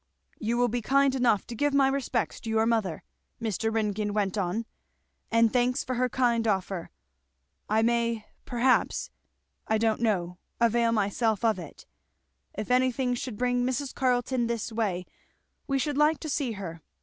"You will be kind enough to give my respects to your mother," Mr. Ringgan went on, "and thanks for her kind offer. I may perhaps I don't know avail myself of it. If anything should bring Mrs. Carleton this way we should like to see her.